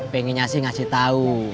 pengennya sih ngasih tau